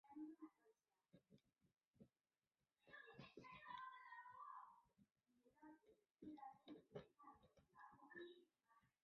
南北朝时代到室町时代屡屡发生的国一揆就是国人领主的结合。